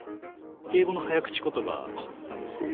英語の早口言葉なんですけど。